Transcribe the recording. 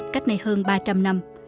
cách này hơn ba trăm linh năm